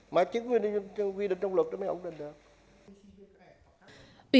mà chứ quy định trong luật nó mới ổn định được